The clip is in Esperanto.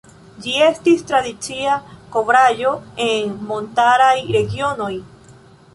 Ĝi estis tradicia kovraĵo en montaraj regionoj.